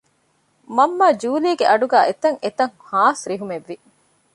މަންމާ ޖޫލީގެ އަޑުގައި އެތަށްއެތަށް ހާސް ރިހުމެއްވި